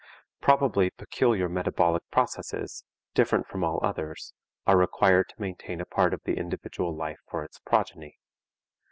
Probably peculiar metabolic processes, different from all others, are required to maintain a part of the individual life for its progeny.